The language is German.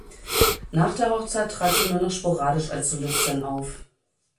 Nach der Hochzeit trat sie nur noch sporadisch als Solistin auf.